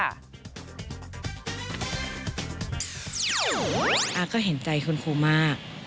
อาก็เห็นใจคุณครูมาก